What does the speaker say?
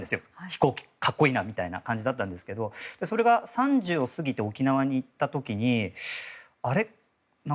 飛行機、格好いいなみたいな感じだったんですけどそれが３０を過ぎて沖縄に行った時にあれ？